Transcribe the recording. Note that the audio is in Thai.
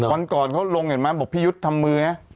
วันก่อนเขาลงเห็นไหมบอกพี่ยุทธ์ทำมือนะ